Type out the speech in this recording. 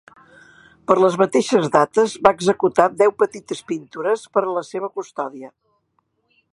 Per les mateixes dates va executar deu petites pintures per a la seva custòdia.